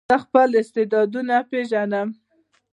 زه خپل استعدادونه پېژنم.